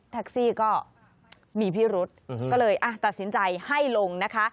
แท็กซี่ก็มีพิรุษก็เลยตัดสินใจให้ลงนะคะ